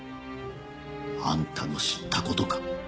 あんたの知った事か。